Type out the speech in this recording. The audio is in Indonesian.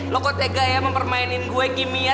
lo kok tega ya mempermainin gue kimi ya